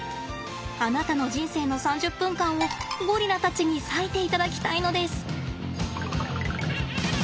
あなたの人生の３０分間をゴリラたちに割いていただきたいのです。